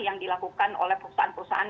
yang dilakukan oleh perusahaan perusahaan